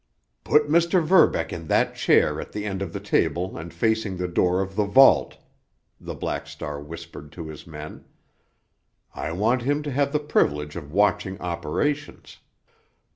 "Put Mr. Verbeck in that chair at the end of the table and facing the door of the vault," the Black Star whispered to his men. "I want him to have the privilege of watching operations.